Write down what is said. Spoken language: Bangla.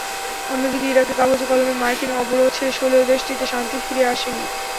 অন্যদিকে, ইরাকে কাগজে-কলমে মার্কিন অবরোধ শেষ হলেও দেশটিতে শান্তি ফিরে আসেনি।